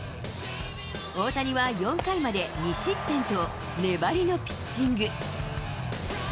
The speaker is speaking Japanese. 大谷は４回まで２失点と、粘りのピッチング。